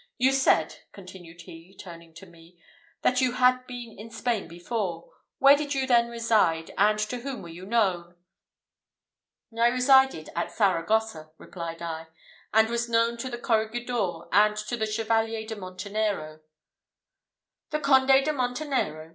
You said," continued he, turning to me, "that you had been in Spain before. Where did you then reside, and to whom were you known?" "I resided at Saragossa," replied I, "and was known to the corregidor, and to the Chevalier de Montenero." "The Conde de Montenero!"